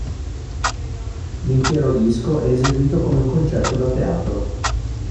L'intero disco è eseguito come un concerto da teatro.